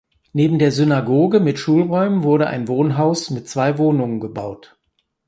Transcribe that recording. Neben der Synagoge mit Schulräumen wurde ein Wohnhaus mit zwei Wohnungen gebaut.